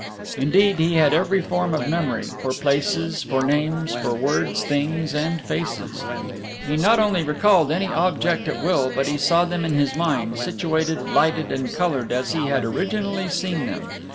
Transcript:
Indeed, he had every form of memory for places, for names, for words, things, and faces. He not only recalled any object at will, but he saw them in his mind, situated, lighted, and colored as he had originally seen them.